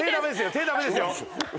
手ダメですよ。